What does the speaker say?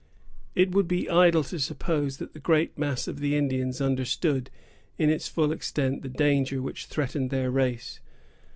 It would be idle to suppose that the great mass of the Indians understood, in its full extent, the danger which threatened their race.